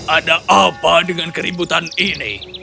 ada apa dengan keributan ini